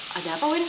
wah ada apa winn